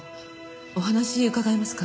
お話伺えますか？